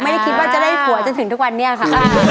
ไม่ได้คิดว่าจะได้ผัวจนถึงทุกวันนี้ค่ะ